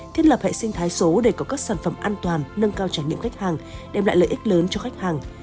thiết lập hệ sinh thái số để có các sản phẩm an toàn nâng cao trải nghiệm khách hàng đem lại lợi ích lớn cho khách hàng